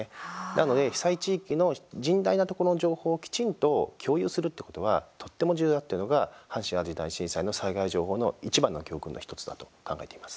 なので、被災地域の甚大なところの情報をきちんと共有するということはとっても重要だっていうのが阪神・淡路大震災の災害情報のいちばんの教訓の１つだと考えています。